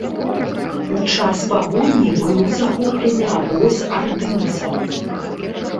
У час пагоні быў захоплены абоз ардынцаў.